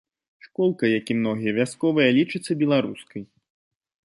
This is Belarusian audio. Школка, як і многія вясковыя, лічыцца беларускай.